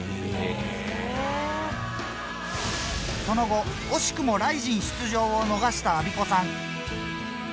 その後惜しくもＲＩＺＩＮ出場を逃したアビコさん。